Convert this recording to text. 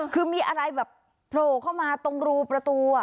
คือมีอะไรแบบโผล่เข้ามาตรงรูประตู